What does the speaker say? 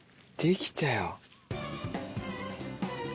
できたよ。